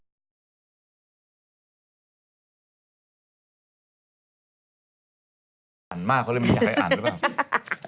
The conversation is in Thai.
อ่านมากเขาเลยไม่อยากให้อ่านหรือเปล่า